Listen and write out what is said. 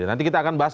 nanti kita akan bahas